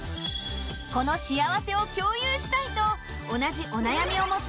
この幸せを共有したいと同じお悩みを持つ